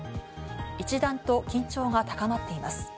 一段と緊張が高まっています。